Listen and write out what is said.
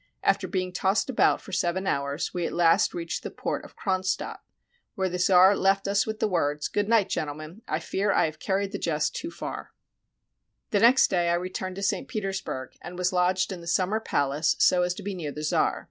After being tossed about for seven hours, we at last reached the port of Cronstadt, where the czar left us with the words: "Good night, gentlemen; I fear I have carried the jest too far." 104 SUPPOSED LETTER FROM AN ARCHITECT The next day I returned to St. Petersburg, and was lodged in the Summer Palace so as to be near the czar.